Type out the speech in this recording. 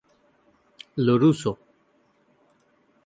Lo Russo